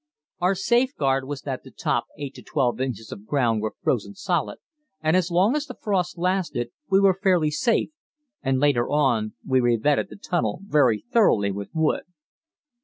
Our safeguard was that the top 8 to 12 inches of ground were frozen solid, and as long as the frost lasted we were fairly safe, and later on we revetted the tunnel very thoroughly with wood.